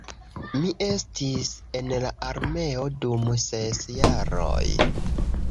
Mi estis en la armeo dum ses jaroj